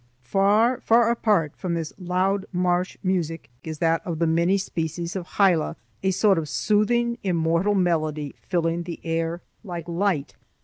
Far, far apart from this loud marsh music is that of the many species of hyla, a sort of soothing immortal melody filling the air like light.